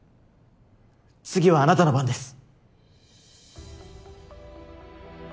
次はあなたの番です！